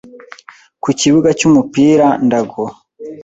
ku kibuga cy’umupira Ndago